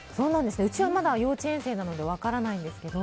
うちは、まだ幼稚園生なので分からないんですけど